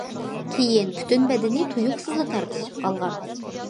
كېيىن پۈتۈن بەدىنى تۇيۇقسىزلا تارتىشىپ قالغان.